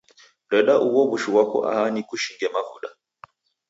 Reda ugho w'ushu ghwako aha nikushinge mavuda